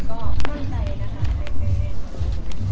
ก็ตอนนี้ก็ให้ผู้ใหญ่มีความรับรู้สึก